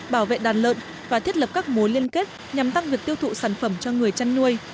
bảo vệ đàn lợn và thiết lập các mối liên kết nhằm tăng việc tiêu thụ sản phẩm cho người chăn nuôi